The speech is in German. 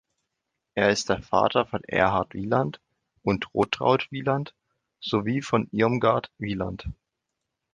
Er ist der Vater von Erhard Wielandt und Rotraud Wielandt sowie von Irmgard Wielandt.